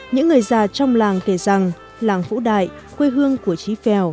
những người già trong làng kể rằng làng vũ đại quê hương của trí phèo